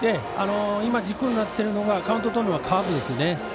今、軸になっているのがカウント取るのがカーブですね。